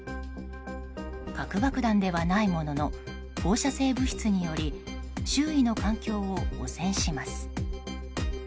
核爆弾ではないものの放射性物質により周囲の環境を汚染します。